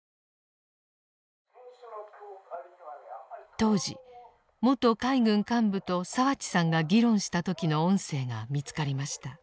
当時元海軍幹部と澤地さんが議論した時の音声が見つかりました。